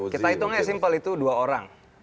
kita hitungnya simpel itu dua orang